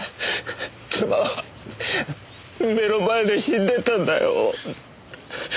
妻は目の前で死んでったんだよ。